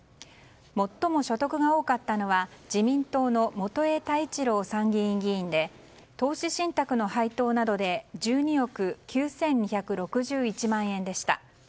最も所得が多かったのは自民党の元栄太一郎参議院議員で投資信託の配当などで１２憶９２６１万円でした。